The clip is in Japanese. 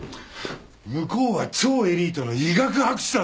向こうは超エリートの医学博士だぞ？